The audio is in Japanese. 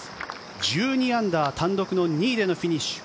１２アンダー単独の２位でのフィニッシュ。